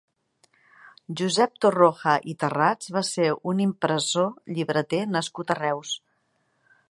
Josep Torroja i Tarrats va ser un impressor i llibreter nascut a Reus.